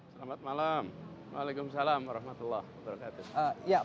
selamat malam waalaikumsalam warahmatullahi wabarakatuh